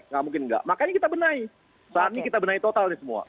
nggak mungkin nggak makanya kita benahi saat ini kita benahi total nih semua